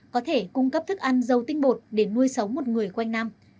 có thể cung cấp thức ăn dâu tinh bột để nuôi sống một người quanh năm